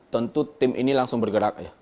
tentu tim ini langsung bergerak ya